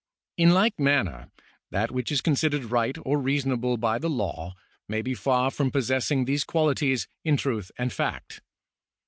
In like manner, that which is considered right or reasonable by the law may be far from possessing these qualities in truth and fact.